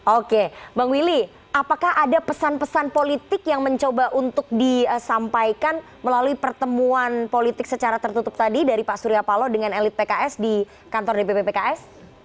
oke bang willy apakah ada pesan pesan politik yang mencoba untuk disampaikan melalui pertemuan politik secara tertutup tadi dari pak surya paloh dengan elit pks di kantor dpp pks